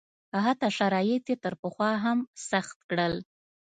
حتی شرایط یې تر پخوا هم سخت کړل.